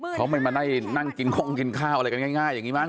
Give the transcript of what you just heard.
เขาไม่มาได้นั่งกินคงกินข้าวอะไรกันง่ายอย่างนี้มั้